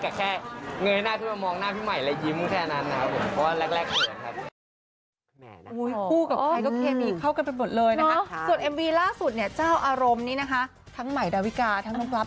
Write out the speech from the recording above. ก็แค่เงยหน้าทุกคนมองหน้าพี่ใหม่และยิ้มแค่นั้นครับ